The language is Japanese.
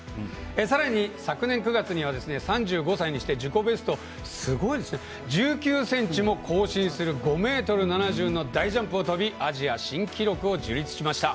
さらに、昨年９月には３５歳にして自己ベスト、１９ｃｍも更新する５ｍ７０の大ジャンプを跳びアジア新記録を樹立しました。